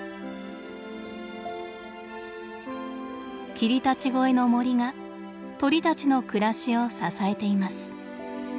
霧立越の森が鳥たちの暮らしを支えています。